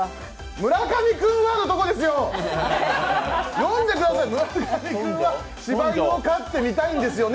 「村上君は」のところですよね。